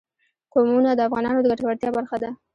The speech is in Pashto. قومونه د افغانانو د ګټورتیا برخه ده.